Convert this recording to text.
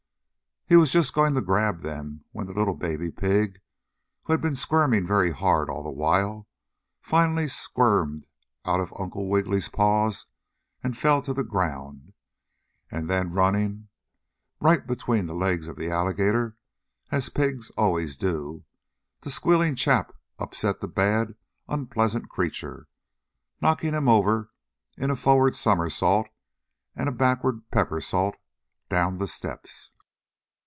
He was just going to grab them when the little Baby Pig, who had been squirming very hard all the while, finally squirmed out of Uncle Wiggily's paws, fell to the ground, and then, running right between the legs of the alligator, as pigs always do run, the squealing chap upset the bad, unpleasant creature, knocking him over in a frontward somersault and also backward peppersault down the steps.